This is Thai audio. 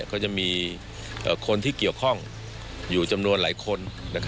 ก็จะมีคนที่เกี่ยวข้องอยู่จำนวนหลายคน